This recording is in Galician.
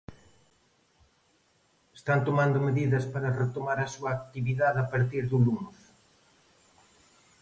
Están tomando medidas para retomar a súa actividade a partir do luns.